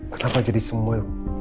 kenapa jadi semua